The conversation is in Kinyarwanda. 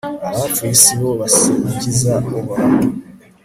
abapfuye si bo basingiza uhoraho